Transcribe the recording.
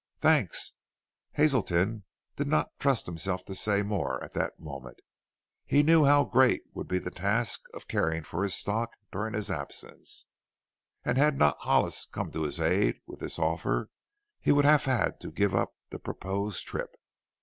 "Thanks." Hazelton did not trust himself to say more at that moment. He knew how great would be the task of caring for his stock during his absence, and had not Hollis come to his aid with this offer he would have had to give up the proposed trip.